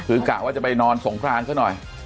คือกะว่าจะไปนอนสงครานซะหน่อย